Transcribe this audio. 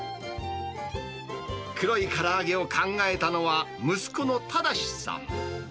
黒いから揚げを考えたのは、息子の忠さん。